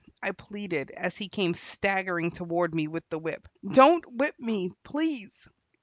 I pleaded, as he came staggering toward me with the whip. "Don't whip me, please!"